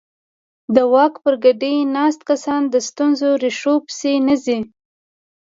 د واک پر ګدۍ ناست کسان د ستونزې ریښو پسې نه ځي.